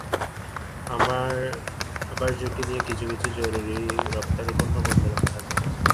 আবার ঝুঁকি নিয়ে কিছু কিছু জরুরি রপ্তানি পণ্য বন্দরে পাঠাতে হচ্ছে।